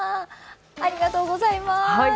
ありがとうございます。